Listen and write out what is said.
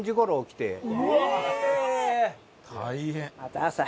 大変。